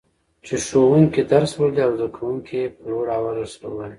چي ښوونکي درس لولي او زده کوونکي يي په لوړ اواز ورسره وايي.